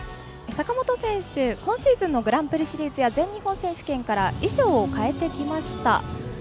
坂本選手、今シーズンのグランプリシリーズや全日本選手権から衣装を変えてきました。